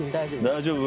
大丈夫？